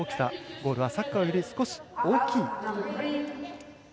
ボールはサッカーより少し大きい。